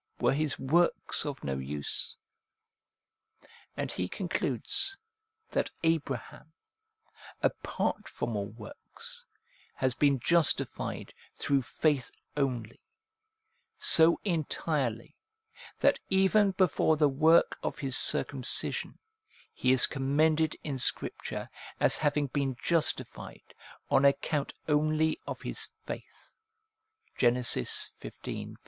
Were his works of no use ?' And he concludes that Abraham, apart from all works, has been justified through faith only, so entirely, that even before the work of his circumcision he is commended in Scripture as having been justified on account only of his faith (Gen. xv.